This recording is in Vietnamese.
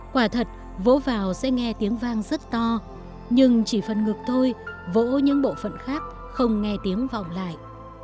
quả thật vỗ vào sẽ nghe tiếng vang rất to nhưng chỉ phần ngực thôi vỗ những bộ phận khác không nghe tiếng vọng lại